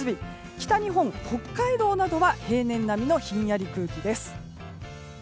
北日本、北海道では平年並みのひんやり空気です。